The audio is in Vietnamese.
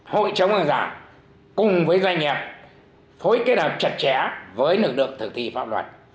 hội chống hàng giả cùng với doanh nghiệp phối kết hợp chặt chẽ với lực lượng thực thi pháp luật